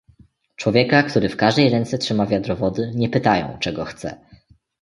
"Człowieka, który w każdej ręce trzyma wiadro wody, nie pytają, czego chce."